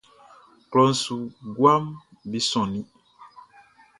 Klɔʼn su guaʼm be sonnin.